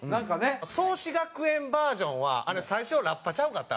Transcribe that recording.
創志学園バージョンは最初ラッパちゃうかった？